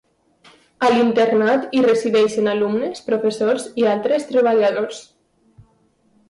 A l'internat hi resideixen alumnes, professors i altres treballadors.